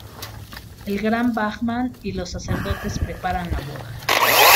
El Gran Brahman y los sacerdotes preparan la boda.